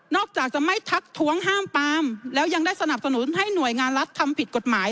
จากจะไม่ทักท้วงห้ามปามแล้วยังได้สนับสนุนให้หน่วยงานรัฐทำผิดกฎหมาย